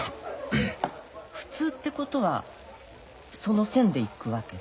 普通ってことはその線でいくわけね？